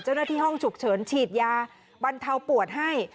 เจ้าหน้าที่ห้องฉุกเฉินฉีดยาบรรเทาปวดให้